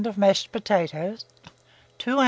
of mashed potatoes, 2 oz.